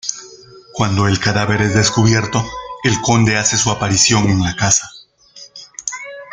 Cuando el cadáver es descubierto, el conde hace su aparición en la casa.